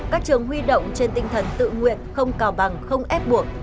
các trường huy động trên tinh thần tự nguyện không cào bằng không ép buộc